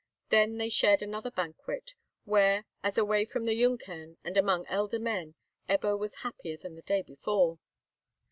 Then they shared another banquet, where, as away from the Junkern and among elder men, Ebbo was happier than the day before.